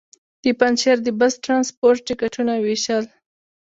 د پنجشېر د بس ټرانسپورټ ټکټونه وېشل.